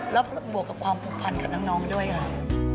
แล้วบวกกับความผูกพันกับน้องด้วยค่ะ